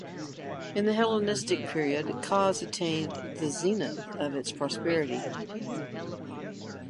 In the Hellenistic period, Kos attained the zenith of its prosperity.